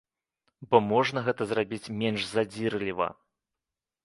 Бо можна гэта зрабіць менш задзірліва!